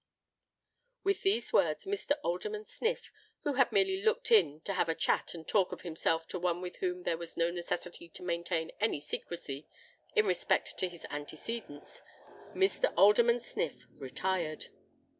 " With these words, Mr. Alderman Sniff, who had merely looked in to have a chat and talk of himself to one with whom there was no necessity to maintain any secrecy in respect to his antecedents,—Mr. Alderman Sniff retired.